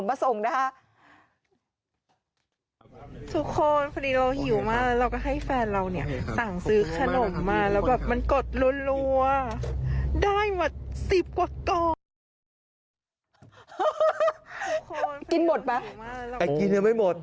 กินหมดปะเอ๊ะกินแล้วไม่หมด